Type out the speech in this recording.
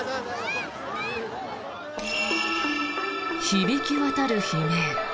響き渡る悲鳴。